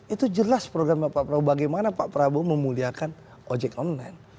itu jelas programnya pak prabowo bagaimana pak prabowo memuliakan ojek online